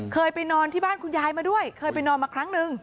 เคยไปนอนที่บ้านคุณยายมาด้วยเคยไปนอนมาครั้งหนึ่ง